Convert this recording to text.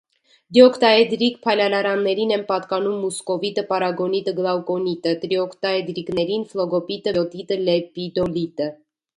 Դիօքտաէդրիկ փայլալարաններին են պատկանում մուսկովիտը, պարագոնիտը, գլաուկոնիտը, տրիօքտաէդրիկներին՝ ֆլոգոպիտը, բիոտիտը, լեպիդոլիտը։